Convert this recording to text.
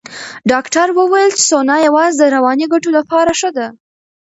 ډاکټره وویل چې سونا یوازې د رواني ګټو لپاره ښه ده.